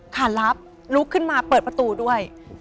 ขารับลุกขึ้นมาเปิดประตูด้วย